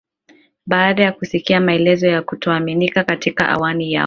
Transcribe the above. baada ya kusikia maelezo ya kutokuaminiana katika anwani yao